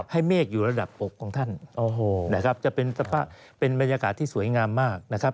ให้เมฆอยู่ระดับอกของท่านจะเป็นบรรยากาศที่สวยงามมาก